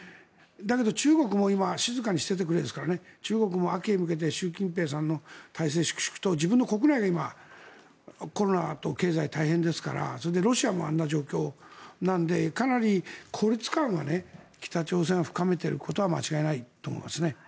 だけど中国も今、静かにしててくれですからね中国も秋へ向けて習近平さんの体制、粛々と自分の国内が今コロナと経済で大変ですからそれでロシアもあんな状況なのでかなり孤立感は北朝鮮は深めていることは間違いないと思いますね。